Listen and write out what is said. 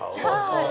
はい。